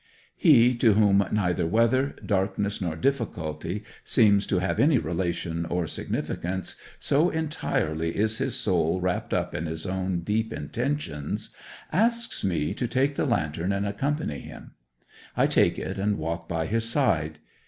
He, to whom neither weather, darkness, nor difficulty seems to have any relation or significance, so entirely is his soul wrapped up in his own deep intentions, asks me to take the lantern and accompany him. I take it and walk by his side.